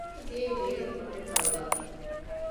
އެކަމަކު ދިޔައީ ބޭރުން ކޮޓަރި ތަޅުލައިފަ